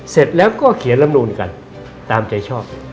เสร็จแล้วก็เขียนลำนูนกันตามใจชอบ